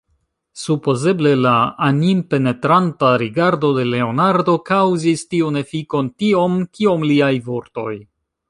Supozeble la animpenetranta rigardo de Leonardo kaŭzis tiun efikon tiom, kiom liaj vortoj.